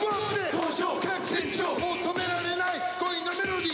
「もう止められない恋のメロディ」